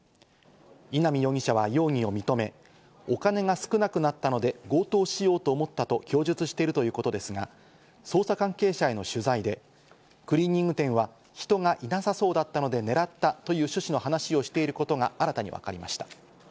稲見容疑者は容疑を認め、お金が少なくなったので強盗しようと思ったと供述しているということですが、捜査関係者への取材で、クリーニング店は人がいなさそうだったので狙ったという趣旨の話をしていることが新たにわかりました。